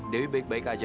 dewi baik baik aja